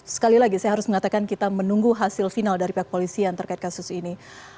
sekali lagi saya harus mengatakan kita menunggu hasil final dari pihak polisi yang terkait kasus ini